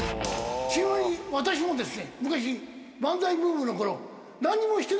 ちなみに私もですね